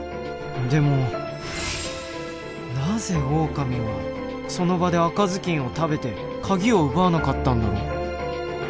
でもなぜオオカミはその場で赤ずきんを食べてカギを奪わなかったんだろう。